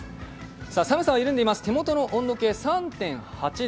寒さは緩んでいます、手元の温度計３．８度。